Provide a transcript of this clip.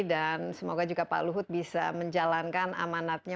dan semoga juga pak luhut bisa menjalankan amanatnya